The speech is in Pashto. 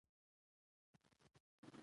زه زحمت خوښوم.